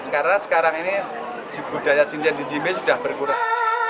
karena sekarang ini budaya sinden di jimbe sudah berkurang